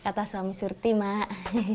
kata suami surti mak